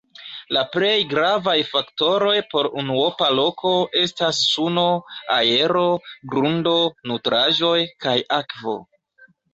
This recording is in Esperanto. La plej gravaj faktoroj por unuopa loko estas suno, aero, grundo, nutraĵoj, kaj akvo.